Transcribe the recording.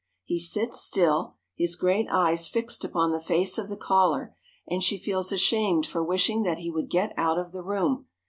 He sits still, his great eyes fixed upon the face of the caller, and she feels ashamed for wishing that he would get out of the room.